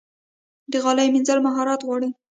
د غالۍ مینځل مهارت غواړي.